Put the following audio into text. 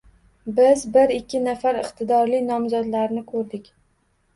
Biz bir-ikki nafar iqtidorli nomzodlarni koʻrdik.